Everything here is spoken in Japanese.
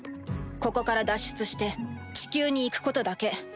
ここから脱出して地球に行くことだけ。